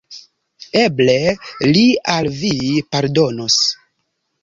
Eble li al vi pardonos.